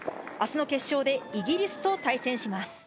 あすの決勝でイギリスと対戦します。